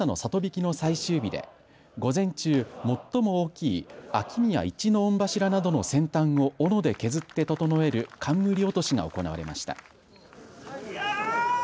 曳きの最終日で午前中、最も大きい秋宮一の御柱などの先端をおので削って整える冠落しが行われました。